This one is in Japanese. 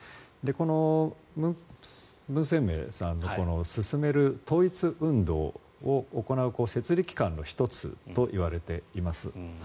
このブン・センメイさんの進める統一運動を行う設備機関の１つといわれています。